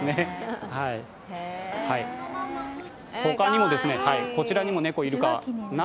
他にも、こちらにも猫、いるかな。